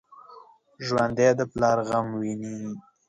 ژوندي د پلار غم ویني